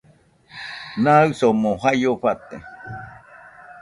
Naɨsomo jaio fate